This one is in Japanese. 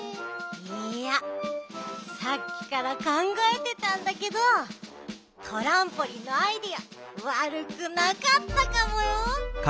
いいやさっきからかんがえてたんだけどトランポリンのアイデアわるくなかったかもよ！